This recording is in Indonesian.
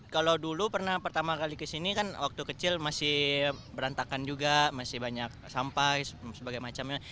kalau dulu pernah pertama kali kesini kan waktu kecil masih berantakan juga masih banyak sampai sebagainya